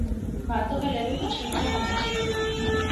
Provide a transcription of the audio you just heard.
باتوں کا لیول کچھ اونچا ہونا چاہیے۔